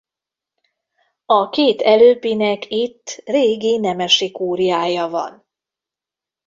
A két előbbinek itt régi nemesi kúriája van.